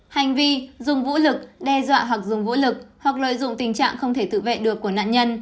hành vi dùng vũ lực đe dọa hoặc dùng vũ lực hoặc lợi dụng tình trạng không thể tự vệ được của nạn nhân